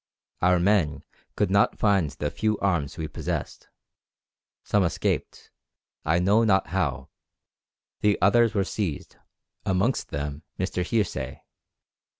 Our men could not find the few arms we possessed; some escaped, I know not how; the others were seized, amongst them Mr. Hearsay.